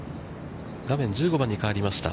画面１５番に変わりました。